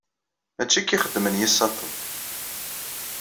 Mačči akka ixeddmen yisaṭṭen.